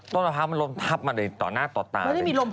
ต้นภาพมันลงทับมาเลยต่อหน้าต่อตาม